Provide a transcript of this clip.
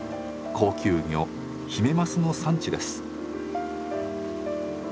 高級魚ヒメマスの産地です。